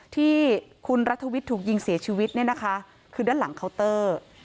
ที่คุณรัฐวิทย์ถูกยิงเสียชีวิตเนี่ยนะคะคือด้านหลังเคาน์เตอร์